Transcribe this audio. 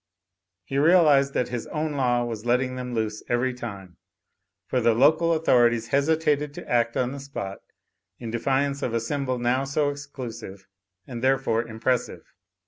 He realised that his own law was letting them loose every time; for the local authorities hesitated to act on the spot, in defiance of a symbol now so exclusive and therefore impressive.